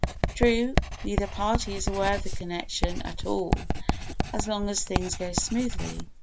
True, neither party is aware of the connection at all as long as things go smoothly.